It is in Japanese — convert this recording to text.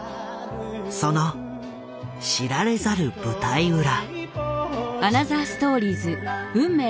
その知られざる舞台裏。